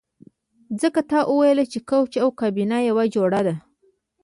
ځکه تا ویل چې کوچ او کابینه یوه جوړه ده